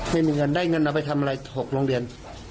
ไม่มีเงินได้เงินเอาไปทำอะไร๖โรงเรียน